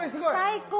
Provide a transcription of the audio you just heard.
最高。